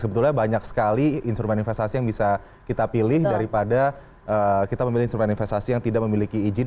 sebetulnya banyak sekali instrumen investasi yang bisa kita pilih daripada kita memilih instrumen investasi yang tidak memiliki izin